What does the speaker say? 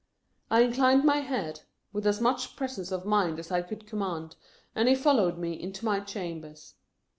I inclined my head, with as much presence of mind as I could command, and he followed me into my chambers.